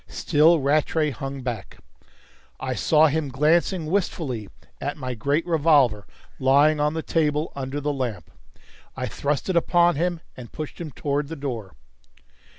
Still Rattray hung back. I saw him glancing wistfully at my great revolver lying on the table under the lamp. I thrust it upon him, and pushed him towards the door.